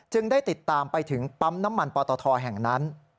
ได้ติดตามไปถึงปั๊มน้ำมันปอตทแห่งนั้น